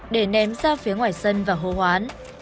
để ném ra phía ngoài sân và hô hoán